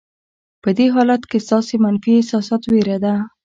په دې حالت کې ستاسې منفي احساسات وېره ده.